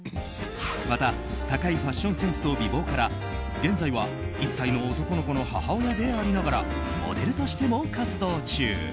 また、高いファッションセンスと美貌から現在は１歳の男の子の母親でありながらモデルとしても活動中。